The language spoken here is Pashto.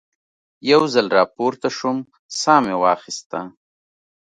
یو ځل را پورته شوم، ساه مې واخیسته.